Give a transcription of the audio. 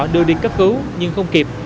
đưa đi cấp cứu nhưng không kịp